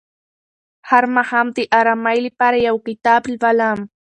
هر ماښام د ارامۍ لپاره یو کتاب لولم.